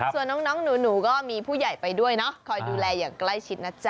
ส่วนน้องหนูก็มีผู้ใหญ่ไปด้วยเนาะคอยดูแลอย่างใกล้ชิดนะจ๊